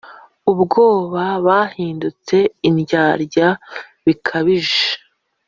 ubwabo bahindutse indyarya bikabije!